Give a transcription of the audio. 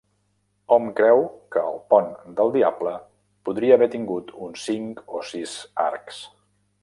Hom creu que el pont del Diable podria haver tingut uns cinc o sis arcs.